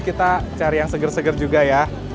kita cari yang seger seger juga ya